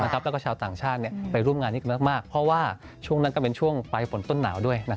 แล้วก็ชาวต่างชาติไปร่วมงานนี้กันมากเพราะว่าช่วงนั้นก็เป็นช่วงปลายฝนต้นหนาวด้วย